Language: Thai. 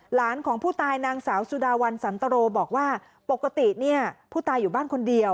หลานของผู้ตายนางสาวสุดาวันสันตรโรบอกว่าปกติเนี่ยผู้ตายอยู่บ้านคนเดียว